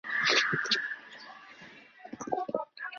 顺治十六年任杭嘉湖道。